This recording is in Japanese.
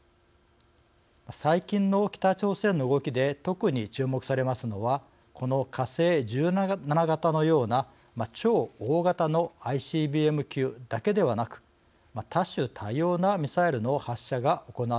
最近の北朝鮮の動きで特に注目されますのはこの火星１７型のような超大型のＩＣＢＭ級だけではなく多種多様なミサイルの発射が行われていることです。